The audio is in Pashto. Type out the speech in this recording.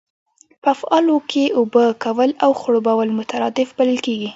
په افعالو کښي اوبه کول او خړوبول مترادف بلل کیږي.